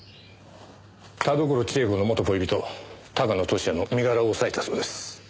田所千枝子の元恋人高野俊哉の身柄を押さえたそうです。